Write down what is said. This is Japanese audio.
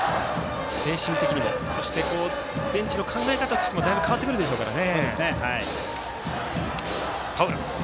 精神的にもそしてベンチの考え方としてもだいぶ変わってくるでしょうから。